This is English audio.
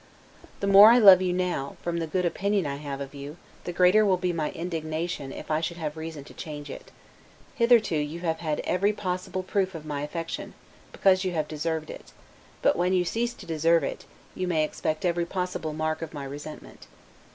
The more I love you now, from the good opinion I have of you, the greater will be my indignation if I should have reason to change it. Hitherto you have had every possible proof of my affection, because you have deserved it; but when you cease to deserve it, you may expect every possible mark of my resentment.